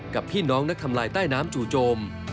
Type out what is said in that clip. กับพี่น้องนักทำลายใต้น้ำจู่โจม